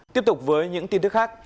tiếp tục với những tin tức khác